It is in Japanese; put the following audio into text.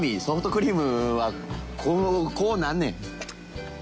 ソフトクリームはこうなんねん。